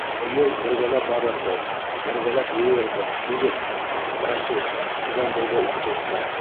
— Быйыл бергәләп барырбыҙ, бергәләп йыйырбыҙ, ивет, Рәсүл, -тигән булды уҡытыусы.